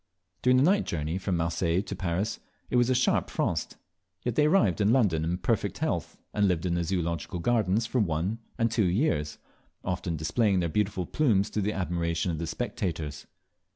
During the night journey from Marseilles to Paris it was a sharp frost; yet they arrived in London in perfect health, and lived in the Zoological Gardens for one, and two years, often displaying their beautiful plumes to the admiration of the spectators.